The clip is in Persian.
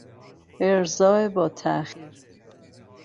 ارضا با تاخیر